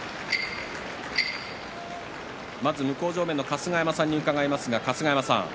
まず向正面の春日山さんに伺います。